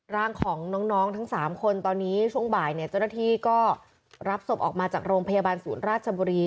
ร่างของน้องทั้ง๓คนตอนนี้ช่วงบ่ายเนี่ยเจ้าหน้าที่ก็รับศพออกมาจากโรงพยาบาลศูนย์ราชบุรี